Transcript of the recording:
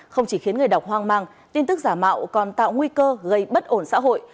không chỉ khiến người đọc hoang mang tin tức giả mạo còn tạo nguy cơ gây bất ổn xã hội